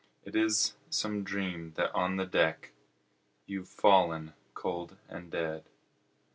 It is some dream that on the deck, You've fallen cold and dead.